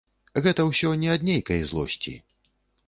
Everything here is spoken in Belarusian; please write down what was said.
Гэта ўсё не ад нейкай злосці.